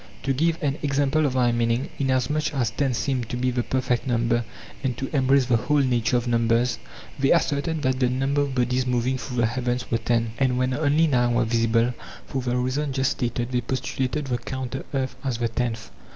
To give an example of my meaning: inasmuch as ten seemed to be the perfect number and to embrace the whole nature of numbers, they asserted that the number of bodies moving through the heavens were ten, and when only nine were visible, for the reason just stated they postu lated the counter earth as the tenth.